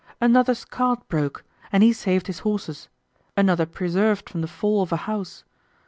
Another's cart broke, and he saved his horses. Another preserved from the fall of a house.